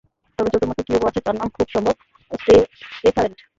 তবে চতুর্মাত্রিক কিউবও আছে, যার নাম খুব সম্ভব টেস্যারেক্ট।